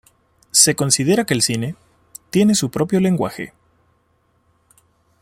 Se considera que el cine tiene su propio lenguaje.